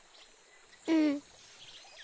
うん。